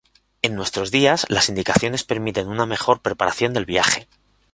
En nuestros días las indicaciones permiten una mejor preparación del viaje.